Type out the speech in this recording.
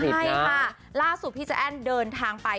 ใช่ค่ะล่าสุดพี่ใจแอ้นเดินทางไป